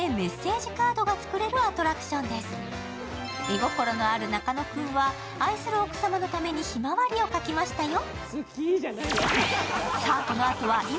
絵心のある中野君は、愛する奥様のためにひまわりを描きましたよ。